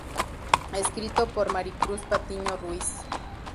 Escrito por Maricruz Patiño Ruiz.